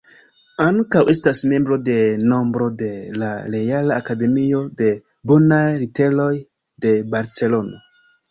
Ankaŭ estas membro de nombro de la Reala Akademio de Bonaj Literoj de Barcelono.